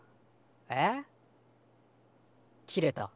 えっ？切れた。